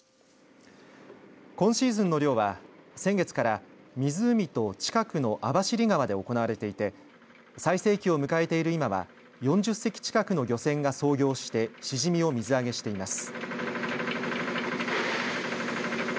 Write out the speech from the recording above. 今シーズンの漁は先月から湖と近くの網走川で行われていて最盛期を迎えている今は４０隻近くの漁船が操業してシジミを水揚げしています。